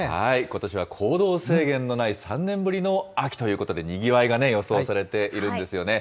ことしは行動制限のない３年ぶりの秋ということで、にぎわいが予想されているんですよね。